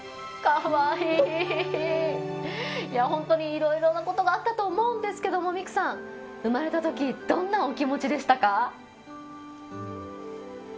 本当にいろいろなことがあったと思うんですが未来さん、産まれたときどんなお気持ちでしたか？